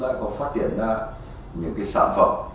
vì vậy lúc chúng ta có phát triển ra những sản phẩm